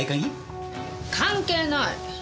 関係ない！